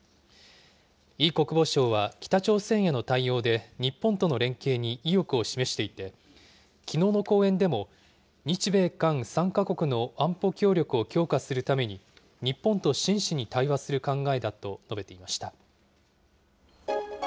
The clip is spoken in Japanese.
イ国防相は北朝鮮への対応で、日本との連携に意欲を示していて、きのうの講演でも日米韓３か国の安保協力を強化するために、日本と真摯に対話する考えだと述べていました。